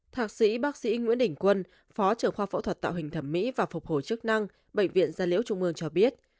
thạc sĩ bác sĩ nguyễn đình quân phó trưởng khoa phẫu thuật tạo hình thẩm mỹ và phục hồi chức năng bệnh viện gia liễu trung ương cho biết